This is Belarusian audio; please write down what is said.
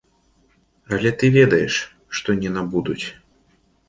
Але ты ведаеш, што не набудуць.